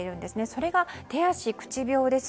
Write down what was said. それが手足口病です。